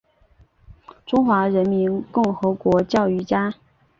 中华人民共和国教育家。